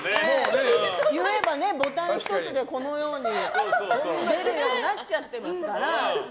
言えばボタン１つで、このように出るようになっちゃってますから。